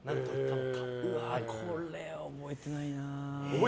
これ覚えてないな。